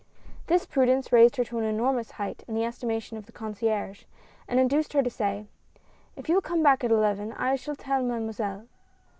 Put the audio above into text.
This prudence raised her to an enormous height in the estimation of the concierge and induced her to say :" If you will come back at eleven, I will tell Made moiselle."